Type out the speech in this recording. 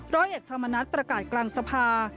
ร้อยเอกธรรมนัฐประกาศกลางสภา